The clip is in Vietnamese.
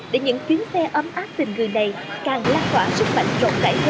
để những chuyến xe ấm áp tình người này càng lát quả sức mạnh rộng rãi hơn